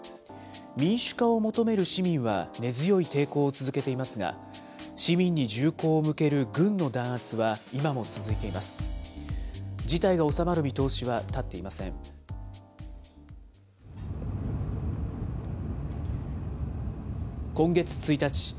民主化を求める市民は根強い抵抗を続けていますが、市民に銃口を向ける軍の弾圧は今も続いています。